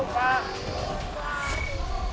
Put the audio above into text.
๕๖บาท